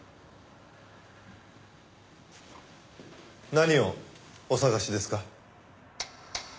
何をお捜しですか？